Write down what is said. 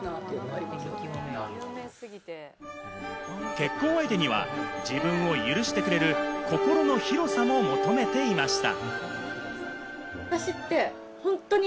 結婚相手には自分を許してくれる心の広さも求めていました。